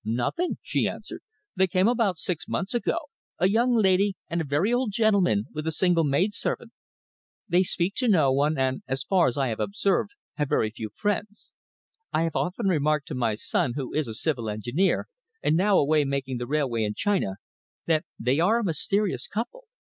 "Nothing," she answered. "They came about six months ago, a young lady and a very old gentleman, with a single maid servant. They speak to no one, and, as far as I have observed, have very few friends. I have often remarked to my son, who is a civil engineer, and now away making the railway in China, that they are a mysterious couple.